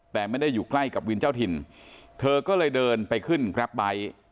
แต่ไม่ได้อยู่ใกล้กับวินเจ้าถิ่นเธอก็เลยเดินไปขึ้นแกรปไบท์